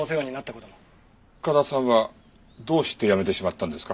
深田さんはどうして辞めてしまったんですか？